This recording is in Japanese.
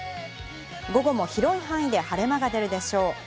午後も広い範囲で晴れ間が出るでしょう。